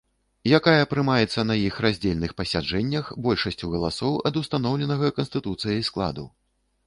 Якая прымаецца на іх раздзельных пасяджэннях большасцю галасоў ад устаноўленага Канстытуцыяй складу.